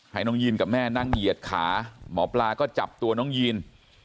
ให้น้องยีนกับแม่นั่งเหยียดขาหมอปลาก็จับตัวน้องยีน